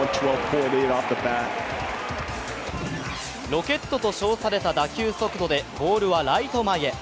ロケットと称された打球速度でボールはライト前へ。